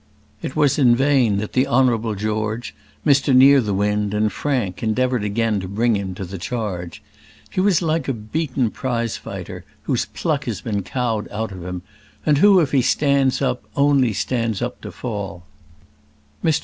It was in vain that the Honourable George, Mr Nearthewinde, and Frank endeavoured again to bring him to the charge. He was like a beaten prize fighter, whose pluck has been cowed out of him, and who, if he stands up, only stands up to fall.